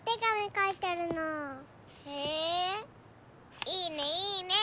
へぇいいねいいね！